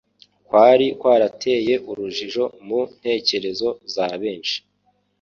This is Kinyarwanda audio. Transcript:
kwari kwarateye urujijo mu ntekerezo za benshi,